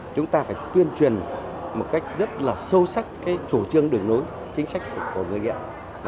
chúng ta phải tuyên truyền một cách rất là sâu sắc chủ trương đường lối chính sách của người nghiện